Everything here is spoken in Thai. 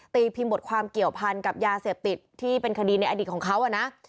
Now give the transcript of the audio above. พิมพ์บทความเกี่ยวพันกับยาเสพติดที่เป็นคดีในอดีตของเขานะ